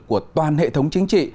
của toàn hệ thống chính trị